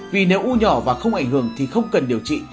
vì nếu u nhỏ và không ảnh hưởng thì không cần điều trị